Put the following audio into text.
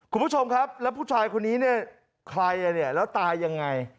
คุณผู้ชมครับแล้วผู้ชายคนนี้ใครเนี่ยฮะเนี่ยแล้วตายอย่างไร